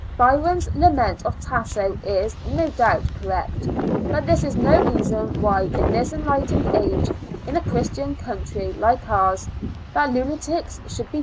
Byron's Lament of Tasso is, no doubt, cor rect; but this is no reason why in this enlightened age, in a Christian country like ours, that lunatics should be